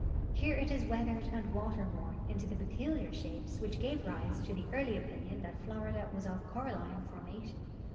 Here it is weathered and water worn into the })cculiar shapes which gave rise to the early opinion that Florida was of coralino formation.